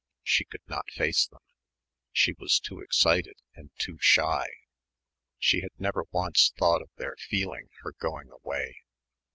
She could not face them. She was too excited and too shy.... She had never once thought of their "feeling" her going away